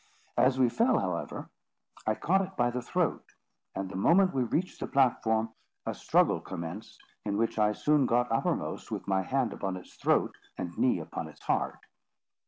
As we fell, however, I caught it by the throat, and the moment we reached the platform, a struggle commenced, in which I soon got uppermost, with my hand upon its throat, and knee upon its heart.